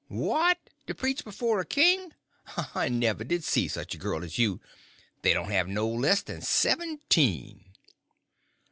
"What!—to preach before a king? I never did see such a girl as you. They don't have no less than seventeen."